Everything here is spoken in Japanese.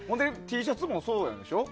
Ｔシャツもそうなんでしょ？